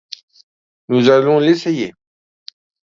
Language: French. Nous allons l'essayer.